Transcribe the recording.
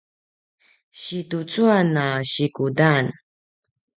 situcuan a sikudan